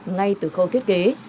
ngay từ khâu thiết kế